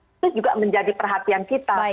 itu juga menjadi perhatian kita